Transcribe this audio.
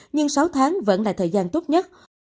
nhưng sáu tháng vẫn là thời gian tốt nhất